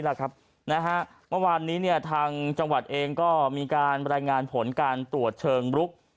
เมื่อวานนี้ทางจังหวัดเองก็มีการรายงานผลการตรวจเชิงรุก